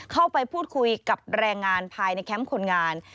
เข้าไปพูดคุยกับแรงงานภายในแคมป์คนงาน